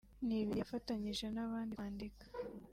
n’ibindi yafatanyije n’abandi kwandika